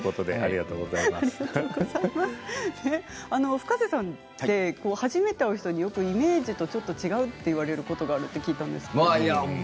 Ｆｕｋａｓｅさんって初めて会う人によくイメージとちょっと違うと言われることがあると聞いたんですけど。